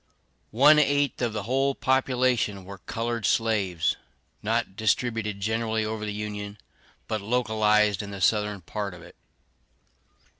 One eighth of the whole population were colored slaves, not distributed generally over the Union, but localized in the Southern part of it.